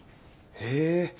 へえ。